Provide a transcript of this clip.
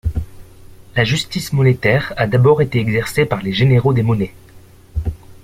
La justice monétaire a d'abord été exercée par les généraux des monnaies.